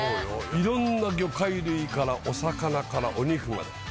いろんな魚介類からお魚からお肉まで。